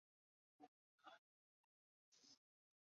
清风是天地之别的兄弟。